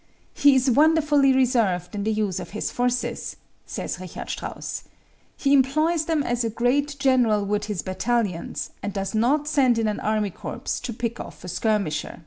"He is wonderfully reserved in the use of his forces," says Richard Strauss. "He employs them as a great general would his battalions, and does not send in an army corps to pick off a skirmisher."